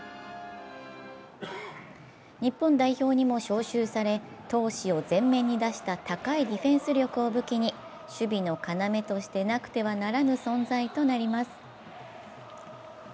日本代表にも招集され闘志を前面に出した高いディフェンス力を武器に守備の要としてなくてはならない存在になります。